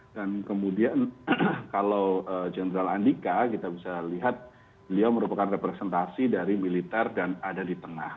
dan kemudian kalau jenderal andika kita bisa lihat dia merupakan representasi dari militer dan ada di tengah